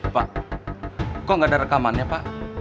pak kok nggak ada rekamannya pak